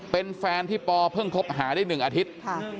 เป็นแฟนที่ปอเพิ่งคบหาได้๑อาทิตย์